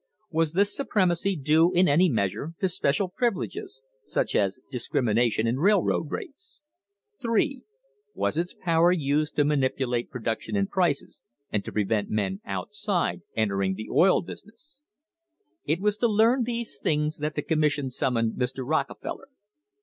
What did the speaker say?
Was this supremacy due in any measure to special privileges, such as discrimina tion in railroad rates? (3) Was its power used to manipulate THE HISTORY OF THE STANDARD OIL COMPANY production and prices, and to prevent men outside entering the oil business? It was to learn these things that the commission summoned Mr. Rockefeller.